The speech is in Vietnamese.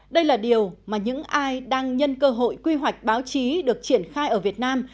đây là điều mà những ai đang nhân cơ hội quy hoạch báo chí được triển khai ở việt nam